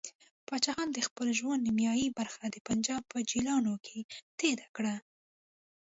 پاچا خان د خپل ژوند نیمایي برخه د پنجاب په جیلونو کې تېره کړه.